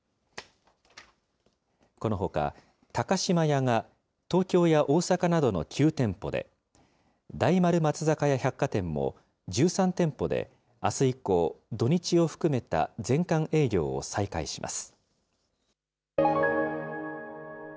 このほか、高島屋が東京や大阪などの９店舗で、大丸松坂屋百貨店も、１３店舗であす以降、土日を含めた全館営業を再開します。